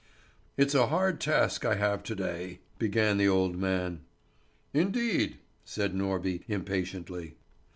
"It's a hard task I have to day," began the old man. "Indeed?" said Norby impatiently.